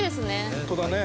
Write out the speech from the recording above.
◆本当だね。